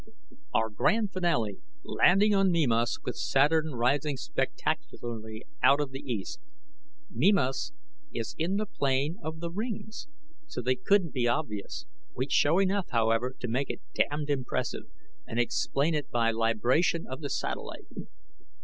Our grand finale: landing on Mimas with Saturn rising spectacularly out of the east. Mimas is in the plane of the rings, so they couldn't be obvious. We'd show enough, however, to make it damned impressive, and explain it by libration of the satellite.